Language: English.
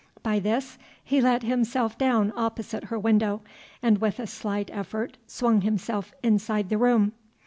By this he let himself down opposite her window, and with a slight effort swung himself inside the room.